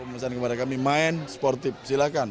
pesan kepada kami main sportif silahkan